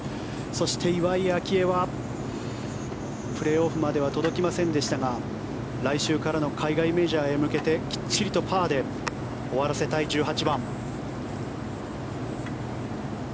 そして岩井明愛はプレーオフまでは届きませんでしたが来週からの海外メジャーへ向けてきっちりとパーで終わらせたい１８番。